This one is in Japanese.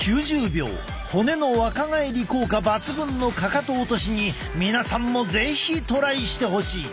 骨の若返り効果抜群のかかと落としに皆さんも是非トライしてほしい！